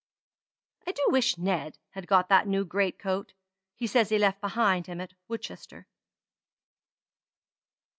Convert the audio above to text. I do wish Ned had got that new greatcoat, he says he left behind him at Woodchester."